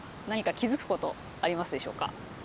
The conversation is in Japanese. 何か気づくことありますでしょうか？